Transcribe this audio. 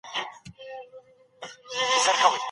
د سولې فضا د ملت د باور له امله ده.